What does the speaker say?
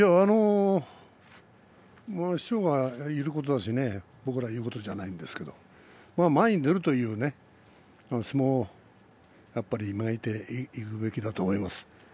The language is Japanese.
師匠がいることですし僕が言うことじゃないんですけど前に出るという相撲をやっぱり磨いていくべきだと思います。